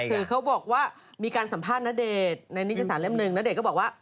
คือเขาบอกว่ามีการสัมภาษณ์ณเดชน์ในนิตยสารเล่มหนึ่งณเดชน์ก็บอกว่า